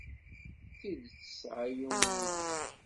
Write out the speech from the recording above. Tidet tesɛa yiwen wudem.